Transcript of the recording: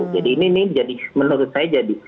jadi ini menurut saya